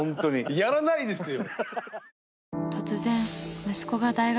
やらないですよ！